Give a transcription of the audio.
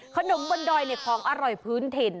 บนดอยของอร่อยพื้นถิ่น